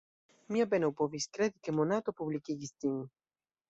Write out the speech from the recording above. Mi apenaŭ povis kredi ke Monato publikigis ĝin.